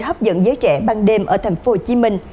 hấp dẫn giới trẻ ban đêm ở tp hcm